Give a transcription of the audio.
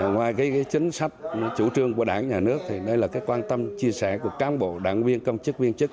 ngoài chính sách chủ trương của đảng nhà nước thì đây là quan tâm chia sẻ của cán bộ đảng viên công chức viên chức